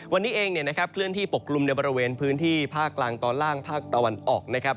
วันนี้เองเคลื่อนที่ปกลุ่มในบริเวณพื้นที่ภาคกลางตอนล่างภาคตะวันออกนะครับ